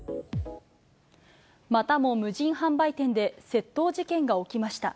またも無人販売店で窃盗事件が起きました。